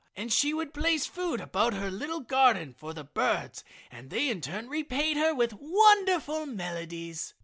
And she would place food about her little garden for the birds and they in turn repaid her by their wonderful melodies.